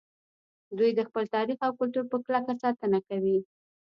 دوی د خپل تاریخ او کلتور په کلکه ساتنه کوي